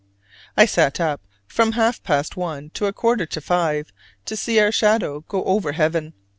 I sat up from half past one to a quarter to five to see our shadow go over heaven.